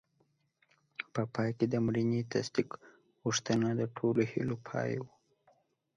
په پای کې د مړینې تصدیق غوښتنه د ټولو هیلو پای و.